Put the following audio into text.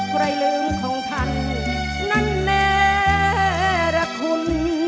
ใครลืมของท่านนั้นแน่รักคุณ